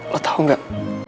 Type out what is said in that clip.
lo tau gak